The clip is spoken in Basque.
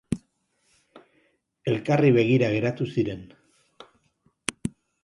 Elkarri begira geratu ziren.